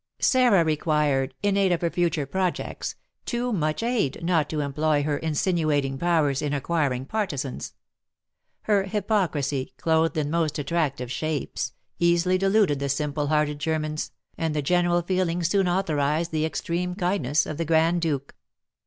Sarah required, in aid of her future projects, too much aid not to employ her insinuating powers in acquiring partisans. Her hypocrisy, clothed in most attractive shapes, easily deluded the simple hearted Germans, and the general feeling soon authorised the extreme kindness of the Grand Duke.